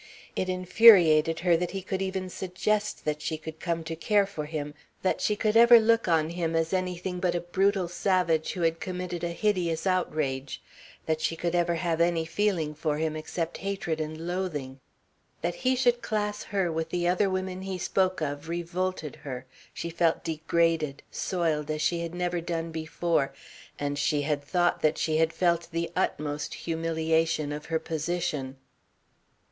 It infuriated her that he could even suggest that she could come to care for him, that she could ever look on him as anything but a brutal savage who had committed a hideous outrage, that she could ever have any feeling for him except hatred and loathing. That he should class her with the other women he spoke of revolted her, she felt degraded, soiled as she had never done before, and she had thought that she had felt the utmost humiliation of her position.